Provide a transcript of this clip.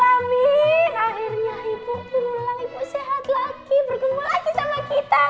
akhirnya ibu pulang ibu sehat lagi bergumul lagi sama kita